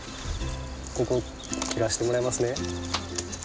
ここ切らしてもらいますね。